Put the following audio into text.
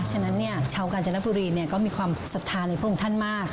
ฉะนั้นชาวกาญจนบุรีก็มีความศรัทธาในพระองค์ท่านมาก